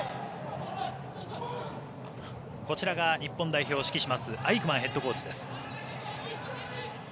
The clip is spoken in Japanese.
こちらが日本代表を指揮しますアイクマンヘッドコーチです。